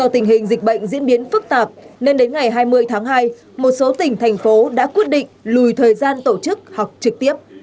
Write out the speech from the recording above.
tình hình dịch bệnh diễn biến phức tạp nên đến ngày hai mươi tháng hai một số tỉnh thành phố đã quyết định lùi thời gian tổ chức học trực tiếp